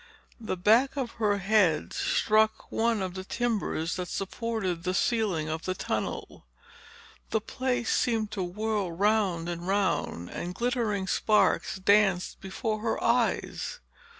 The back of her head struck one of the timbers that supported the ceiling of the tunnel. The place seemed to whirl round and round and glittering sparks danced before her eyes.